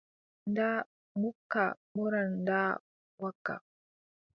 Ndaa mukka ɓuran ndaa wakka.